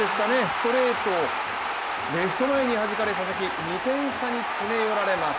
ストレートをレフト前にはじかれ佐々木、２点差に詰め寄られます。